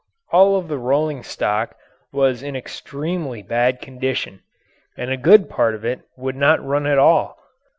All of the rolling stock was in extremely bad condition and a good part of it would not run at all.